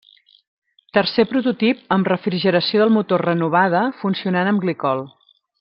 Tercer prototip amb refrigeració del motor renovada, funcionant amb glicol.